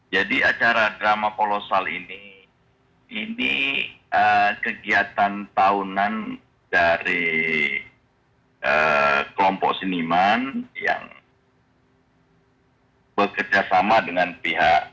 jadi acara drama kolosal ini kegiatan tahunan dari kelompok siniman yang bekerjasama dengan pihak